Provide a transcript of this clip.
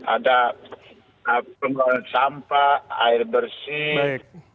ada pengembangan sampah air bersih